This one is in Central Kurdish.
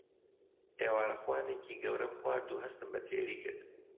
ئێوارەخوانێکی گەورەم خوارد و هەستم بە تێری کرد.